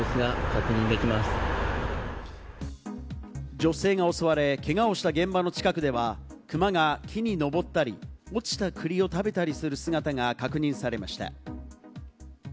女性が襲われけがをした現場の近くでは、クマが木に登ったり、落ちた栗を食べたりする姿が確認されました。